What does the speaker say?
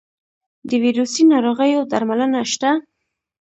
د ویروسي ناروغیو درملنه شته؟